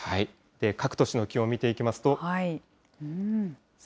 各都市の気温を見ていきますと。